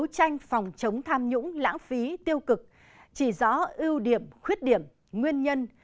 không tham nhũng lãng phí tiêu cực chỉ rõ ưu điểm khuyết điểm nguyên nhân